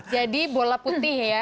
jadi bola putih ya